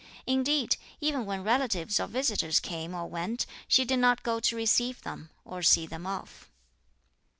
Indeed, even when relatives or visitors came or went, she did not go to receive them, or see them off.